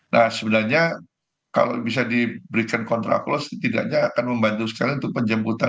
nah sebenarnya kalau bisa diberikan kontraklos setidaknya akan membantu sekali untuk penjemputan